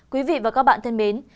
quý vị và các bạn thân mến